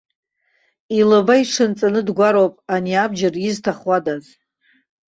Илаба иҽанҵаны дгәароуп, ани абџьар изҭахуадаз.